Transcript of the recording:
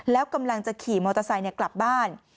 แล้วกำลังจะขี่มอเตอร์ไซค์กลับบ้าน